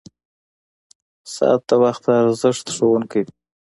• ساعت د وخت د ارزښت ښوونکی دی.